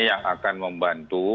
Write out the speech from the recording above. yang akan membantu